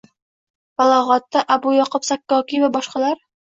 balog‘atda Abu Yaʼqub Sakkokiy va boshqalar.